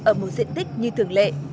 ở một diện tích như thường lệ